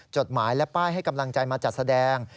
จดหมายและป้ายให้กำลังใจมาจัดแสดง